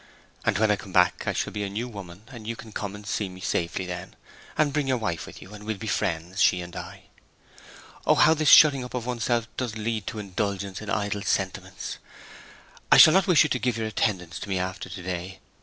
And when I come back I shall be a new woman; and you can come and see me safely then, and bring your wife with you, and we'll be friends—she and I. Oh, how this shutting up of one's self does lead to indulgence in idle sentiments. I shall not wish you to give your attendance to me after to day.